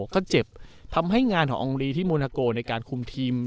ก็เจ็บทำให้งานของอองลีที่โมนาโกในการคุมทีม